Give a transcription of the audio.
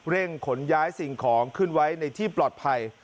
ขนย้ายสิ่งของขึ้นไว้ในที่ปลอดภัย